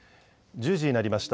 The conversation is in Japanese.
１０時になりました。